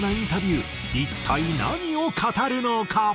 一体何を語るのか？